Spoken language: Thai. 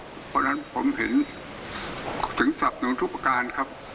เพราะฉะนั้นผมเห็นถึงสับหนุนทุกประการครับ